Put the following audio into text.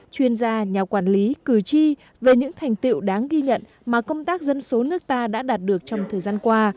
chuyên gia nhà quản lý cử tri về những thành tiệu đáng ghi nhận mà công tác dân số nước ta đã đạt được trong thời gian qua